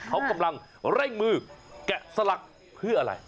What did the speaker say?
เขากำลังเร่งมือแกะสลักเพื่ออะไร